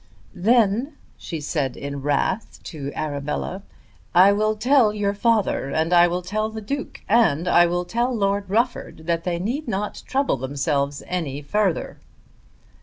"Then," she said in wrath to Arabella, "I will tell your father, and I will tell the Duke, and I will tell Lord Rufford that they need not trouble themselves any further."